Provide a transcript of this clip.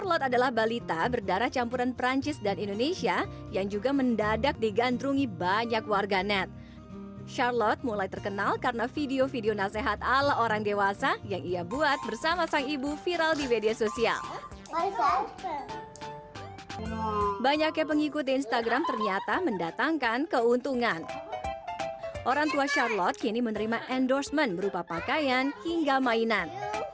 orang tua charlotte kini menerima endorsement berupa pakaian hingga mainan